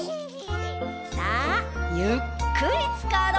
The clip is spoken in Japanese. さあゆっくりつかろう！